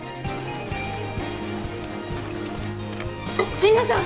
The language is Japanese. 神野さん！